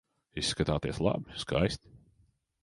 Izskatāties labi, skaisti.